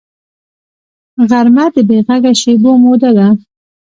غرمه د بېغږه شېبو موده ده